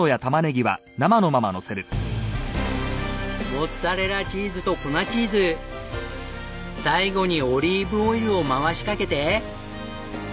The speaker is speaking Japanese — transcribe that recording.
モッツァレラチーズと粉チーズ最後にオリーブオイルを回しかけて。